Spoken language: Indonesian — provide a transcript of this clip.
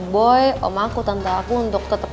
boy om aku tante aku untuk tetap